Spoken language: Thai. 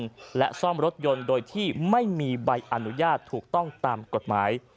และซ่อมรถยนต์โดยที่ไม่มีใบอนุญาตถูกต้องตามกฎหมาย